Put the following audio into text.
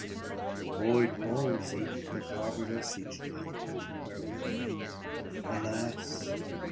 The void walls eke that harbored us each night:Wherewith, alas!